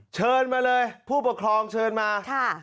เชิญมาเลยผู้ปกครองเชิญมา